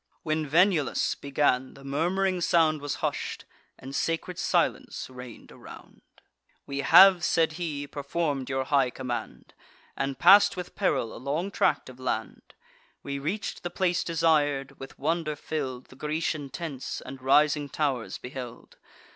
When Venulus began, the murmuring sound Was hush'd, and sacred silence reign'd around. "We have," said he, "perform'd your high command, And pass'd with peril a long tract of land: We reach'd the place desir'd; with wonder fill'd, The Grecian tents and rising tow'rs beheld.